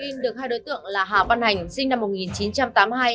người bánh heroin được hai đối tượng là hà văn hành sinh năm một nghìn chín trăm tám mươi hai